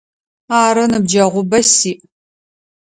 Ары, ныбджэгъубэ сиӏ.